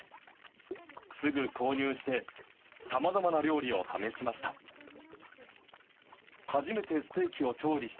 すぐ購入して、さまざまな料理を試しました。